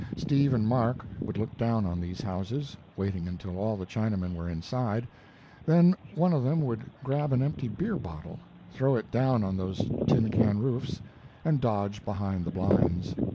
Steve and Mark would look down on these houses, waiting until all the Chinamen were inside; then one of them would grab an empty beer bottle, throw it down on those tin can roofs, and dodge behind the blinds.